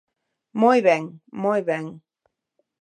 Moi ben, moi ben.